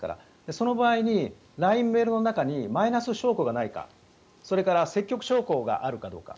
その場合にＬＩＮＥ、メールの中にマイナス証拠がないかそれから積極証拠があるかどうか。